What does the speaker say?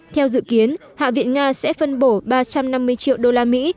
theo dự kiến hạ viện nga sẽ phân bổ ba trăm năm mươi triệu đô la mỹ